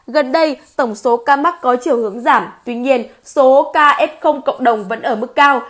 gần đây tổng số ca mắc có chiều hướng giảm tuy nhiên số ca f cộng đồng vẫn ở mức cao